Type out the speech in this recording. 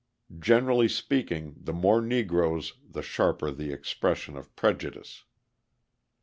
Generally speaking, the more Negroes the sharper the expression of prejudice.